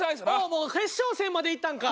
もう決勝戦までいったんか。